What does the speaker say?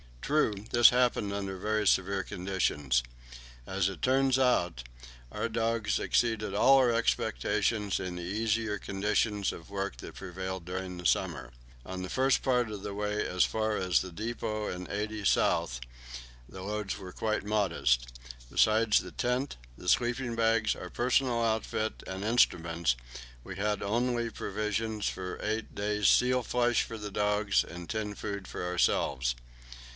True, this happened under very severe conditions. As it turned out, our dogs exceeded all our expectations in the easier conditions of work that prevailed during the summer. On the first part of the way as far as the depot in 80° S. the loads were quite modest. Besides the tent, the sleeping bags, our personal outfit, and instruments, we only had provisions for eight days seals' flesh for the dogs, and tinned food for ourselves.